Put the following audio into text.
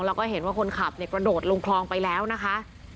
แล้วก็เห็นว่าคนขับกระโดดลงคลองไปแล้วนะคะ